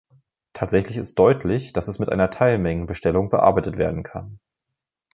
Tatsächlich ist deutlich, dass es mit einer Teilmengenbestellung bearbeitet werden kann.